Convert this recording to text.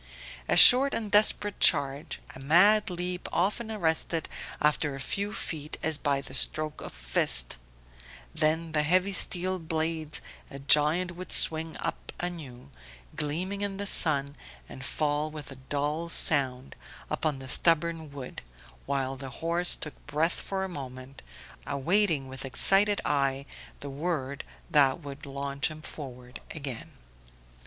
A short and desperate charge, a mad leap often arrested after a few feet as by the stroke of a giant fist; then the heavy steel blades a giant would swing up anew, gleaming in the sun, and fall with a dull sound upon the stubborn wood, while the horse took breath for a moment, awaiting with excited eye the word that would launch him forward again.